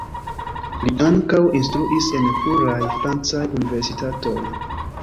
Li ankaŭ instruis en pluraj francaj universitatoj.